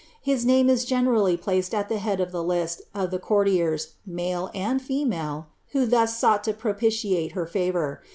'' His name is generally placed at the head of the list of the courtiers, male and female, who thus sought to propitiate her &vour.